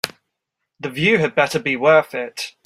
The view had better be worth it.